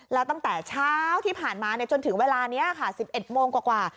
แล้วตั้งแต่เช้าที่ผ่านมาจนถึงเวลานี้ค่ะ๑๑โมงกว่า